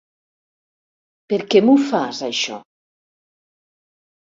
Per què m'ho fas, això?